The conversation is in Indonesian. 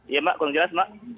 iya mbak kurang jelas mak